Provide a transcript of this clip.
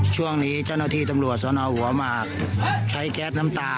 ช่วงนี้จริงที่ตำรวจเซาหนาวหัวหมากใช้แก๊สน้ำตา